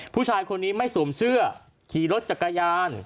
ผู้ชายคนนี้ไม่สวมเสื้อขี่รถจักรยาน